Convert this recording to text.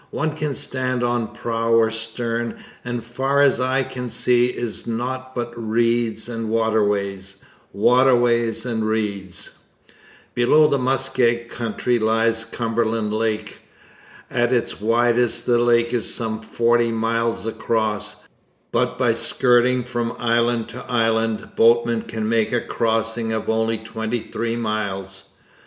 One can stand on prow or stern and far as eye can see is naught but reeds and waterways, waterways and reeds. Below the muskeg country lies Cumberland Lake. At its widest the lake is some forty miles across, but by skirting from island to island boatmen could make a crossing of only twenty three miles.